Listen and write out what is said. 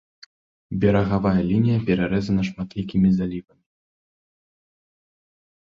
Берагавая лінія перарэзана шматлікімі залівамі.